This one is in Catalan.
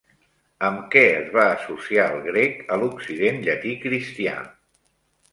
Amb què es va associar el grec a l'occident llatí cristià?